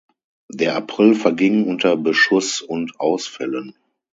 Der April verging unter Beschuss und Ausfällen.